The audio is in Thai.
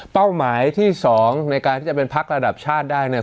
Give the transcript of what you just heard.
เป้าหมายที่๒ในการที่จะเป็นพักระดับชาติได้เนี่ย